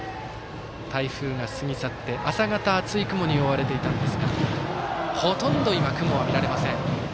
台風が過ぎ去って、朝方は厚い雲に覆われていたんですがほとんど今、雲は見られません。